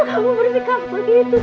kenapa kamu berdikah begitu sama ibu